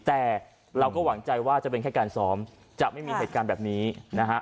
แต่เราก็หวังใจว่าจะเป็นแค่การซ้อมจะไม่มีเหตุการณ์แบบนี้นะฮะ